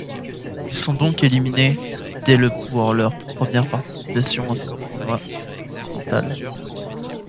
Ils sont donc éliminés dès le pour leur première participation à ce tournoi continental.